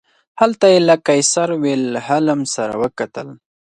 هلته یې له قیصر ویلهلم سره وکتل.